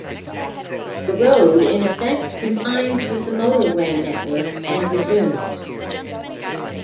The road in effect combines with the motorway network and resumes.